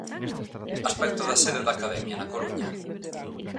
Aspecto da sede da academia, na Coruña.